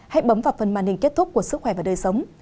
hãy bấm vào phần màn hình kết thúc của sức khỏe và đời sống